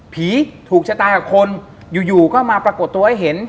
ถูกชะตากับคนอยู่อยู่ก็มาปรากฏตัวให้เห็น